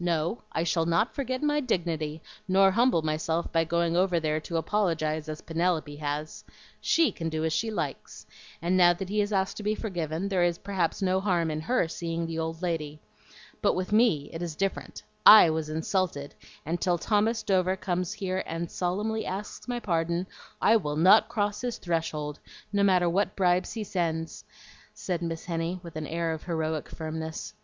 "No, I shall not forget my dignity nor humble myself by going over there to apologize as Penelope has. SHE can do as she likes; and now that he has asked to be forgiven, there is perhaps no harm in HER seeing the old lady. But with me it is different. I was insulted, and till Thomas Dover comes here and solemnly asks my pardon I will NOT cross his threshold, no matter what bribes he sends," said Miss Henny, with an air of heroic firmness.